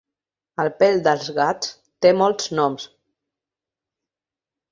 El pèl dels gats té molts noms.